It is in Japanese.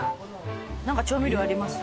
何か調味料あります？